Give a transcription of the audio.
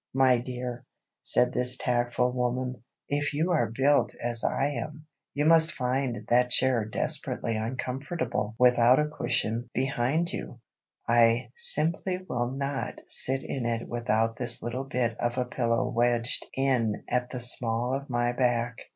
"My dear," said this tactful woman, "if you are 'built' as I am, you must find that chair desperately uncomfortable without a cushion behind you! I simply will not sit in it without this little bit of a pillow wedged in at the small of my back.